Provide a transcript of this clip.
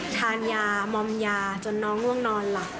ทานยามอมยาจนน้องล่วงนอนหลับ